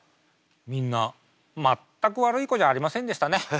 みんな全く悪い子じゃありませんでしたね。